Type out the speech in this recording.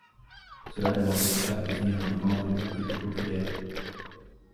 Cela ne l’empêche pas de devenir un des membres du groupe les plus populaires.